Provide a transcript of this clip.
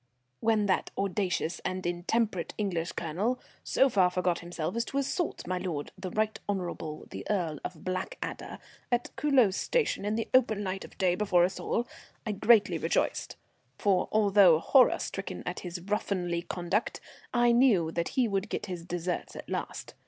_] When that audacious and intemperate English Colonel so far forgot himself as to assault my lord the Right Honourable the Earl of Blackadder at Culoz Station in the open light of day before us all, I greatly rejoiced; for, although horror stricken at his ruffianly conduct, I knew that he would get his deserts at last.